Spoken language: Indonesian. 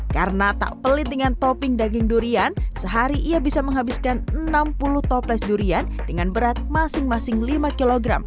karena tak pelit dengan topping daging durian sehari ia bisa menghabiskan enam puluh toples durian dengan berat masing masing lima kg